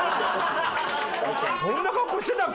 そんな格好してたっけ？